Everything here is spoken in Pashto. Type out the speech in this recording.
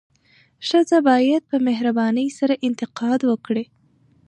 ښځه باید په مهربانۍ سره انتقاد وکړي.